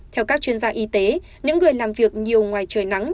theo các chuyên gia y tế những người làm việc nhiều ngoài trời nắng